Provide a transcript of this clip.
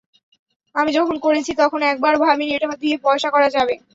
আমি যখন করেছি, তখন একবারও ভাবিনি এটা দিয়ে পয়সা করা যাবে।